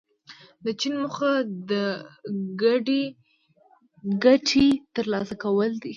د چین موخه د ګډې ګټې ترلاسه کول دي.